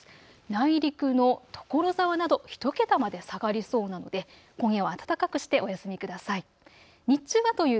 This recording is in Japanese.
内陸の所沢など１桁まで下がりそうなので今夜は暖かくしてお休みください。